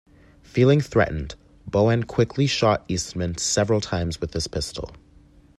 Feeling threatened, Bohan quickly shot Eastman several times with his pistol.